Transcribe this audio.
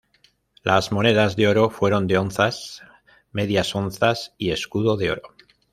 Las monedas de oro fueron de onzas, medias onzas y escudo de oro.